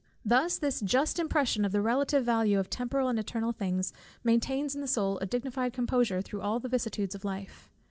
Thus this just impression of the relative value of temporal and eternal things, maintains in the soul a dignified composure through all the vicissitudes of life.